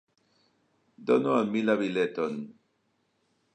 Donu al mi la bileton.